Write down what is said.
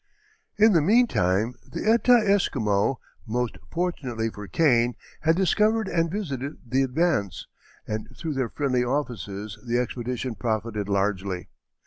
In the meantime the Etah Esquimaux, most fortunately for Kane, had discovered and visited the Advance, and through their friendly offices the expedition profited largely.